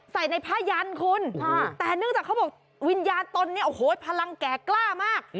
ใส่ในผ้ายันคุณแต่เนื่องจากเขาบอกวิญญาณตนเนี่ยโอ้โหพลังแก่กล้ามาก